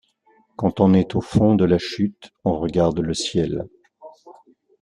Quand on est au fond de la chute, on regarde le ciel.